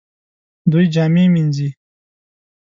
دوی جامې مینځي